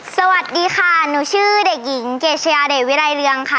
สวัสดีค่ะหนูชื่อเด็กหญิงเกชยาเดชวิรัยเรืองค่ะ